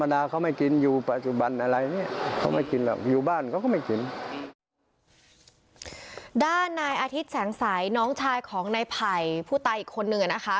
ด้านนายอาทิตย์แสงสัยน้องชายของนายไผ่ผู้ตายอีกคนนึงนะคะ